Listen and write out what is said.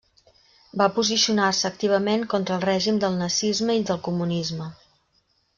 Va posicionar-se activament contra el règim del nazisme i del comunisme.